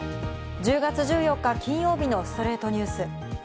１０月１４日、金曜日の『ストレイトニュース』。